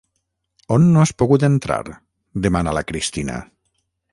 On no has pogut entrar? —demana la Cristina—.